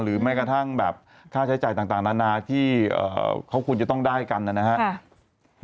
แม้กระทั่งแบบค่าใช้จ่ายต่างนานาที่เขาควรจะต้องได้กันนะครับ